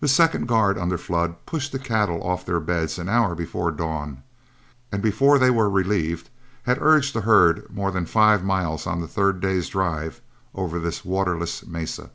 The second guard, under Flood, pushed the cattle off their beds an hour before dawn, and before they were relieved had urged the herd more than five miles on the third day's drive over this waterless mesa.